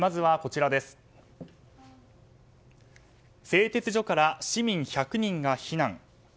製鉄所から市民１００人が避難。